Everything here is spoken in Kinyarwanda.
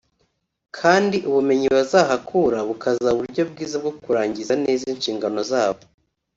kandi ubumenyi bazahakurua bukazaba uburyo bwiza bwo kurangiza neza inshingano zabo